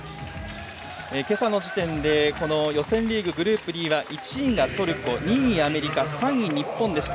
今朝の時点で予選リーグ、グループＢは１位がトルコ、２位にアメリカ３位、日本でした。